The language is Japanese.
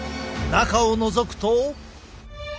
中をのぞくと。